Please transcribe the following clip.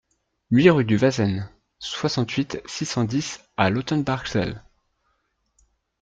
huit rue du Wasen, soixante-huit, six cent dix à Lautenbachzell